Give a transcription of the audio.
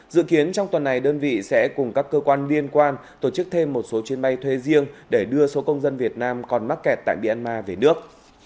dự kiến trong tuần này đơn vị sẽ cùng các cơ quan liên quan tổ chức thêm một số chuyến bay thuê riêng để đưa số công dân việt nam còn mắc kẹt tại myanmar về nước